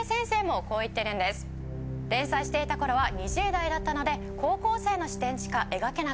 連載していた頃は２０代だったので高校生の視点しか描けなかった。